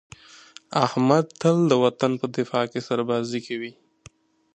احمد تل د وطن په دفاع کې سربازي کوي.